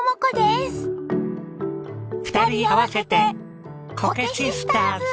２人合わせてコケシスターズ！